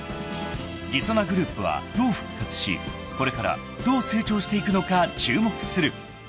［りそなグループはどう復活しこれからどう成長していくのか注目する］